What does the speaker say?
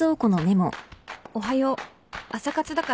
「おはよう。朝活だから先行くね」